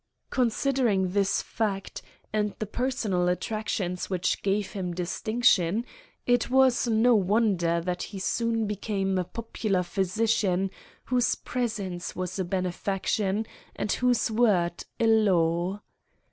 Considering this fact, and the personal attractions which gave him distinction, it was no wonder that he soon became a popular physician whose presence was a benefaction and whose word a law.